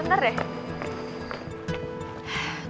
tunggu dulu ya